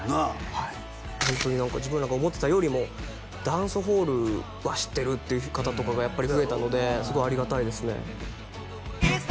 はいホントに何か自分らが思ってたよりも「ダンスホール」は知ってるっていう方とかがやっぱり増えたのですごいありがたいですね